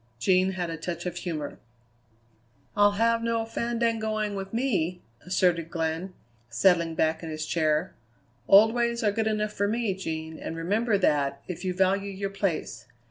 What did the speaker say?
Jean had a touch of humour. "I'll have no fandangoing with me!" asserted Glenn, settling back in his chair. "Old ways are good enough for me, Jean, and remember that, if you value your place.